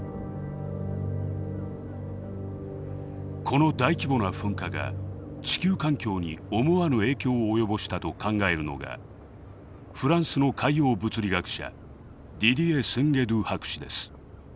この大規模な噴火が地球環境に思わぬ影響を及ぼしたと考えるのがフランスの海洋物理学者ディディエ・スィンゲドゥ博士です。